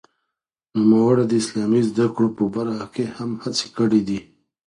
نوموړي د اسلامي زده کړو په برخه کې هم هڅې کړې دي.